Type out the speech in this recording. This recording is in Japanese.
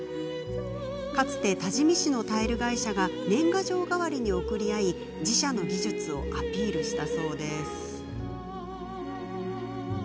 かつて、多治見市のタイル会社が年賀状代わりに送り合い自社の技術をアピールしたそうです。